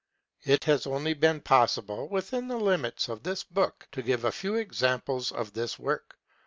It has only been possible, within the limits of this book, to give a few examples of this work.